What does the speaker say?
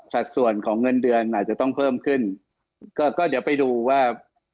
สัดส่วนของเงินเดือนอาจจะต้องเพิ่มขึ้นก็ก็เดี๋ยวไปดูว่า